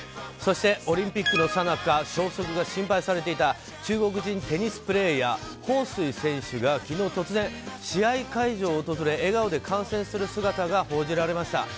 そして、オリンピックのさなか消息が心配されていた中国人テニスプレーヤーホウ・スイ選手が昨日、突然、試合会場を訪れ笑顔で観戦する姿が報じられました。